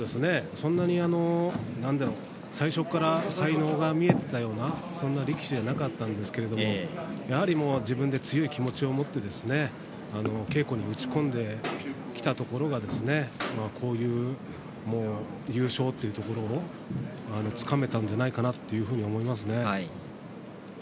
そんなに最初から才能が見えていたような力士ではなかったんですけれど自分で強い気持ちを持って稽古に打ち込んできたところこういう、優勝というところそれをつかめたんじゃないかなと思いますね。